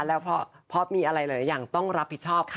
แล้วเพราะมีอะไรหลายอย่างต้องรับผิดชอบค่ะ